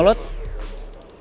lo yang be aja